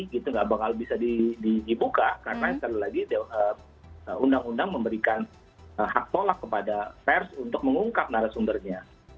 karena sekali lagi undang undang memberikan hak tolak kepada pers untuk mengungkap narasumbernya